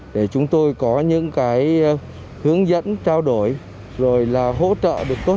để chúng tôi có những hướng dẫn trao đổi rồi là hỗ trợ được tốt hơn